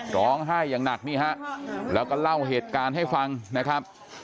ร้องไห้อย่างหนักนี่ฮะแล้วก็เล่าเหตุการณ์ให้ฟังนะครับ